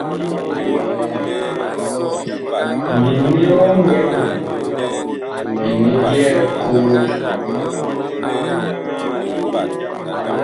Mini oŋgɛ mam mini nga byɛɛ koo liɓɔŋ.